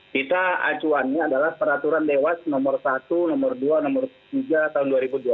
kita acuannya adalah peraturan dewas nomor satu nomor dua nomor tiga tahun dua ribu dua puluh